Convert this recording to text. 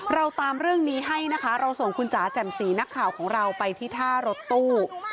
เราตามเรื่องนี้ให้นะคะเราส่งคุณจ๋าแจ่มสีนักข่าวของเราไปที่ท่ารถตู้